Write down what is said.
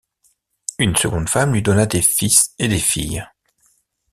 Une seconde femme lui donna des fils et des filles.